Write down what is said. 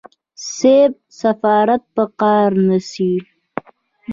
صيب سفارت په قار نشي.